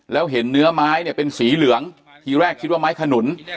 แล้วเห็นเนื้อไม้เนี่ยเป็นสีเหลืองทีแรกคิดว่าไม้ขนุน